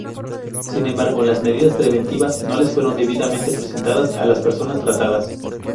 Sin embargo, las medidas preventivas no les fueron debidamente presentadas a las personas tratadas.